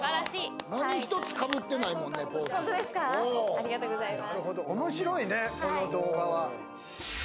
ありがとうございます。